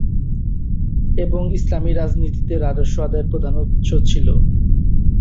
এবং ইসলামি রাজনীতিতে রাজস্ব আদায়ের প্রধান উৎস ছিল।